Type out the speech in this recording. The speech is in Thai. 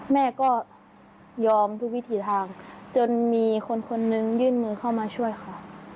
แม่ก็ยอมทุกวิถีทางจนมีคนคนนึงยื่นมือเข้ามาช่วยค่ะ